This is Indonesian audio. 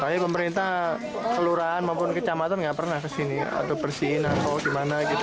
tapi pemerintah kelurahan maupun kecamatan nggak pernah kesini atau bersihin atau gimana gitu